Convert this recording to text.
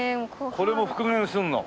これも復元するの？